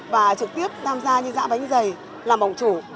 và trực tiếp tham gia như dạ bánh giày làm bóng chủ